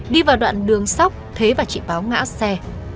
đi vào đoạn đường sóc thế và chị báo ngã xe